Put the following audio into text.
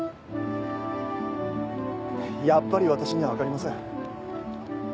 やっぱり私には分かりません。